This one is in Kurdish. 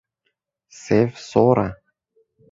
Sêv sor e.